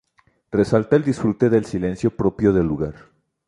Resalta el disfrute del silencio propio del lugar.